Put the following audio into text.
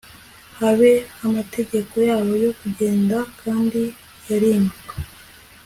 Bahe amategeko yabo yo kugenda kandi yarimuka